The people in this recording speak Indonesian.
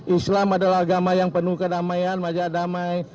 islam adalah agama yang penuh kedamaian wajah damai